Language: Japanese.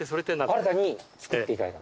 新たに造っていただいた？